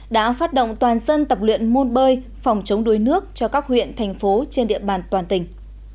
đã phát động toàn dân tập luyện môn bơi phòng chống đuối nước cho các huyện thành phố trên địa bàn toàn tỉnh